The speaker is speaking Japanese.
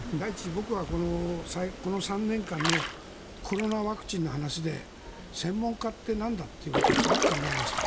僕は、この３年間のコロナワクチンの話で専門家ってなんだということをすごく考えました。